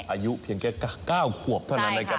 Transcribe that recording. อายุเพียงแค่๙ขวบเท่านั้นนะครับ